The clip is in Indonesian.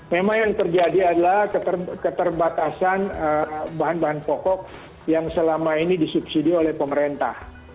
memang yang terjadi adalah keterbatasan bahan bahan pokok yang selama ini disubsidi oleh pemerintah